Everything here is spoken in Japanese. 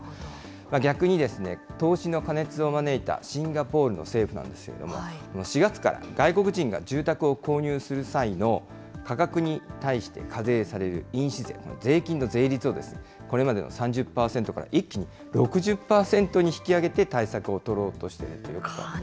逆に投資の過熱を招いたシンガポールの政府なんですけれども、４月から外国人が住宅を購入する際の価格に対して課税される印紙税の税金の税率をこれまでの３０％から、一気に６０％に引き上げて対策を取ろうとしているということなんですね。